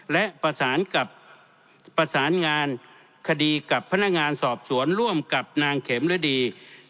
และประสานกับประสานงานคดีกับพนักงานสอบสวนร่วมกับนางเข็มฤดี